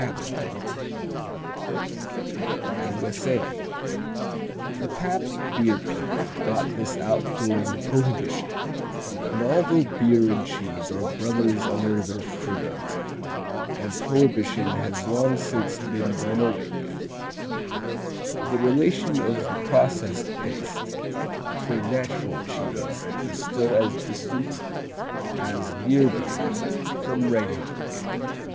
'" P Pabstett U.S.A The Pabst beer people got this out during Prohibition, and although beer and cheese are brothers under their ferment, and Prohibition has long since been done away with, the relation of the processed paste to a natural cheese is still as distant as near beer from regular beer.